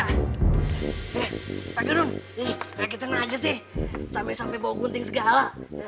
eh pak girun lagi tenaga sih sampe sampe bawa gunting segala